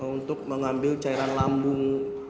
untuk mengambil cairan lambung